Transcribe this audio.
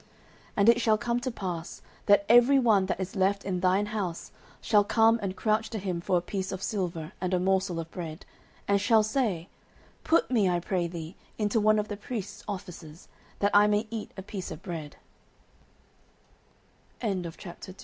09:002:036 And it shall come to pass, that every one that is left in thine house shall come and crouch to him for a piece of silver and a morsel of bread, and shall say, Put me, I pray thee, into one of the priests' offices, that I may eat a piece